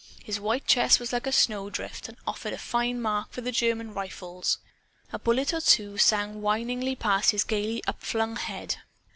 His white chest was like a snowdrift, and offered a fine mark for the German rifles. A bullet or two sang whiningly past his gayly up flung head.